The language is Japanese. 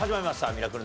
『ミラクル